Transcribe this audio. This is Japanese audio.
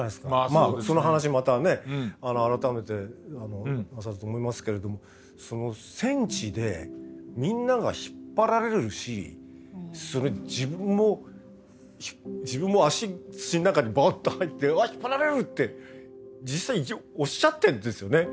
まあその話またね改めてあのなさると思いますけれどもその戦地でみんながひっぱられるし自分も足土の中にボッと入って「うわ！ひっぱられる」って実際おっしゃってんですよね。